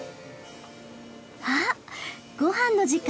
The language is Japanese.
あっごはんの時間？